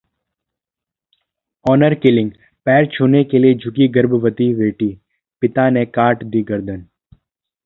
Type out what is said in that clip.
honour killing पैर छूने के लिए झुकी गर्भवती बेटी, पिता ने काट दी गर्दन